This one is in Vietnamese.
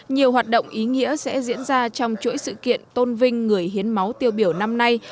nhiều hoạt động ý nghĩa sẽ diễn ra trong chuỗi sự kiện tôn vinh người hiến máu tiêu biểu năm nay